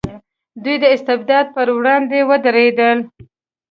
دوی د استبداد پر وړاندې ودرېدل.